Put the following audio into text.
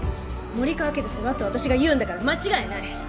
森川家で育った私が言うんだから間違いない。